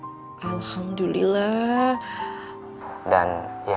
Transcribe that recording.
dan ya harap harap mbak catherine nangis sama mbak catherine yaa